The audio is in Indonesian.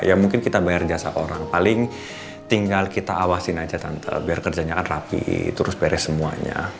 ya mungkin kita bayar jasa orang paling tinggal kita awasin aja biar kerjanya kan rapi terus beres semuanya